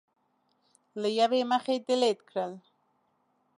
له یوې مخې ډیلېټ کړل